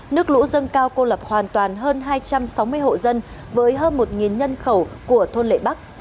nước lũ dâng cao cô lập hoàn toàn hơn hai trăm sáu mươi hộ dân với hơn một nhân khẩu của thôn lệ bắc